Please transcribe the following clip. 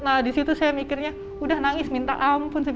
nah disitu saya mikirnya udah nangis minta ampun